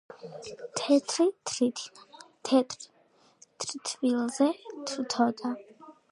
თეთრი თრითინა თეთრ თრთვილზე თრთოდა